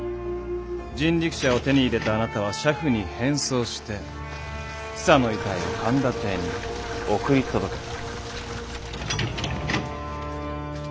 人力車を手に入れたあなたは車夫に変装してヒサの遺体を神田邸に送り届けた。